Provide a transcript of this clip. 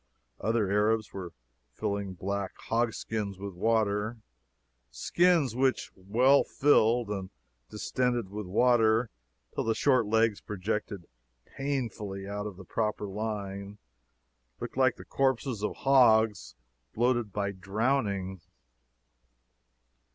Other Arabs were filling black hog skins with water skins which, well filled, and distended with water till the short legs projected painfully out of the proper line, looked like the corpses of hogs bloated by drowning.